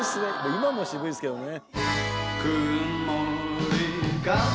今も渋いですけどね。